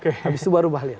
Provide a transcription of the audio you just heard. habis itu baru bahli